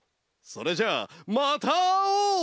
それじゃあまたあおう！